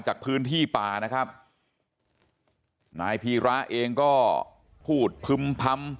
จากพื้นที่ป่านะครับนายพีระเองก็พูดพึ่มพำ